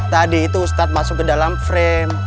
tadi itu ustadz masuk ke dalam frame